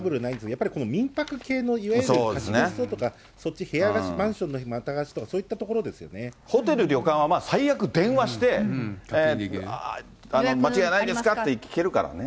やっぱり民泊系の、いわゆる貸別荘とかそっち、部屋貸し、マンションのまた貸しホテル、旅館は最悪、電話して間違いないですかって聞けるからね。